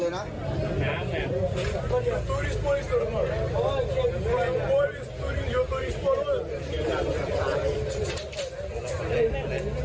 รู้ดีฟะ